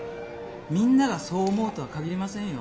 みんながそう思うとは限りませんよ。